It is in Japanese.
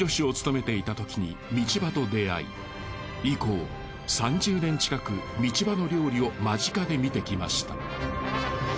以降３０年近く道場の料理を間近で見てきました。